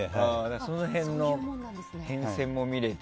その辺の変遷も見れて。